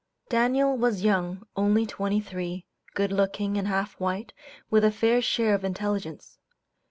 Daniel was young, only twenty three, good looking, and half white, with a fair share of intelligence.